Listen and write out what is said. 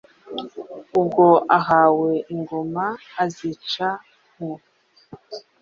Ubwo ahawe ingoma azica mwo.